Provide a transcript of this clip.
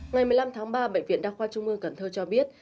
ngày một mươi năm tháng ba bệnh viện đa khoa trung ương cần thơ cho biết